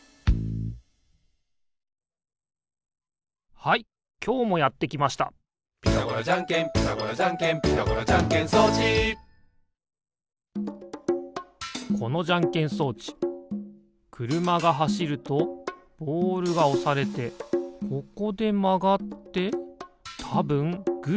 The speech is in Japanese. はいきょうもやってきました「ピタゴラじゃんけんピタゴラじゃんけん」「ピタゴラじゃんけん装置」このじゃんけん装置くるまがはしるとボールがおされてここでまがってたぶんグーがでる。